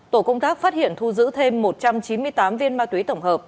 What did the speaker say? tổ công tác phát hiện thu giữ thêm một trăm chín mươi tám viên ma túy tổng hợp